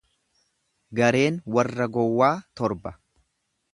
Gareen warra gowwaa torba.